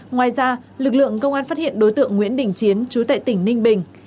ngoài ra lực lượng công an phát hiện đối tượng nguyễn đình chiến chú tại tỉnh ninh bình